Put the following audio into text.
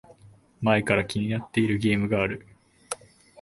前から気になってるゲームがある